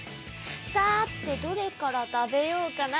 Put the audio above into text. さてどれから食べようかな。